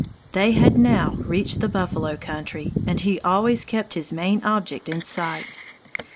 They had now reached the buffalo country, and he always kept his main object in sight.